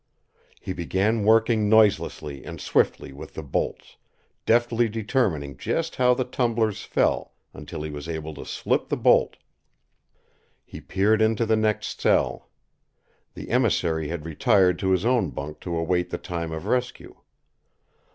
He began working noiselessly and swiftly with the bolts, deftly determining just how the tumblers fell until he was able to slip the bolt. He peered into the next cell. The emissary had retired to his own bunk to await the time of rescue.